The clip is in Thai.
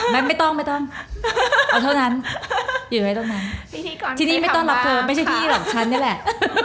ไม่ต้องเอาเท่านั้นไม่ต้องรับเธอไม่ใช่พี่หรอกฉันนี่แหละ